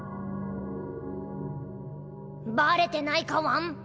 バレてないかワン？